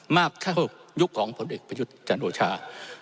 มากยุคของตัวเด็กมหยุดช่างโดชา